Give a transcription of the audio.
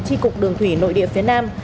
tri cục đường thủy nội địa phía nam